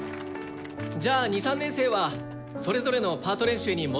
じゃあ２３年生はそれぞれのパート練習に戻ってください。